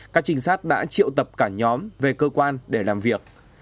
các trinh sát đã triệu tập cả nhóm về cơ quan để làm việc